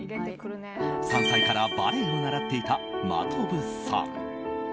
３歳からバレエを習っていた真飛さん。